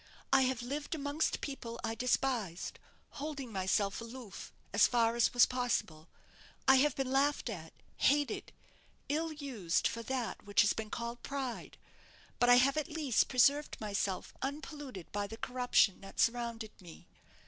I have lived amongst people I despised, holding myself aloof as far as was possible. I have been laughed at, hated, ill used for that which has been called pride; but I have at least preserved myself unpolluted by the corruption that surrounded me.